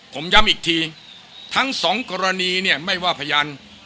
ผมย้ำอีกทีทั้งสองกรณีเนี่ยไม่ว่าพยาน